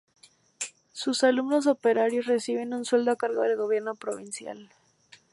Sus alumnos-operarios reciben un sueldo a cargo del Gobierno Provincial.